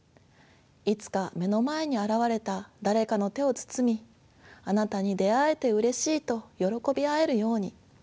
いつか目の前に現れた誰かの手を包み「あなたに出会えてうれしい」とよろこび合えるように。